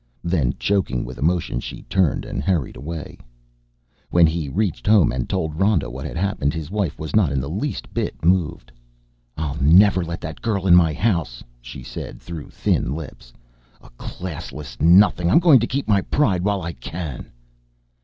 Then, choking with emotion, she turned and hurried away. When he reached home and told Rhoda what had happened, his wife was not in the least bit moved. "I'll never let that girl in my house," she said through thin lips. "A classless nothing! I'm going to keep my pride while I can."